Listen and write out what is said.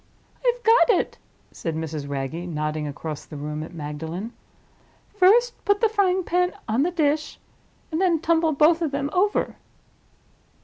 "I've got it," said Mrs. Wragge, nodding across the room at Magdalen. "First put the frying pan on the dish, and then tumble both of them over."